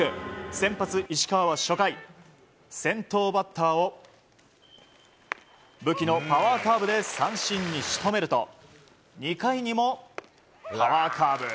先発、石川は初回先頭バッターを武器のパワーカーブで三振に仕留めると２回にもパワーカーブ。